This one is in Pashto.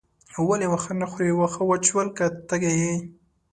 ولې واښه نه خورې واښه وچ شول که تږې یې.